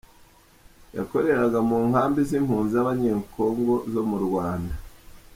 yakoreraga mu nkambi z’impunzi z’abanyekongo zomu Rwanda.